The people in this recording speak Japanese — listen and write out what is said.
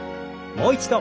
もう一度。